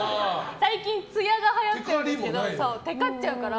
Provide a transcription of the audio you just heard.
最近、ツヤがはやってるんですけどテカっちゃうから。